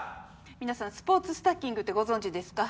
皆さんスポーツスタッキングってご存知ですか？